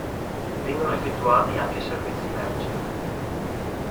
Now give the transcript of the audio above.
Vengono effettuati anche servizi merci.